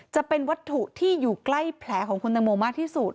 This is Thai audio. จะเป็นวัตถุที่อยู่ใกล้แผลของคุณตังโมมากที่สุด